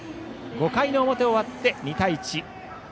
５回の表終わって２対１。